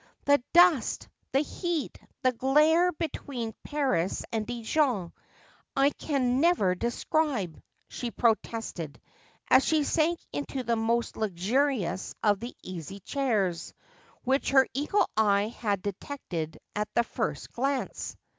' The dust, the heat, the glare between Paris and Dijon I can never describe,' she protested as she sank into the most luxurious of the easy chairs, which her eagle eye had detected at the first glance.